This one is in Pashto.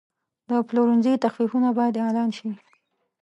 د پلورنځي تخفیفونه باید اعلان شي.